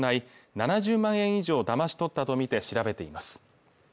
７０万円以上をだまし取ったと見て調べています